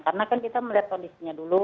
karena kan kita melihat kondisinya dulu